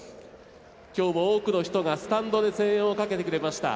今日も多くの人がスタンドで声援をかけてくれました。